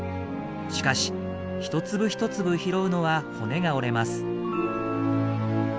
しかし一粒一粒拾うのは骨が折れます。